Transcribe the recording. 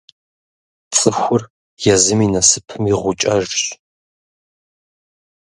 Цӏыхур езым и насыпым и «гъукӏэщ».